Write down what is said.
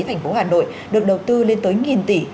thành phố hà nội được đầu tư lên tới nghìn tỷ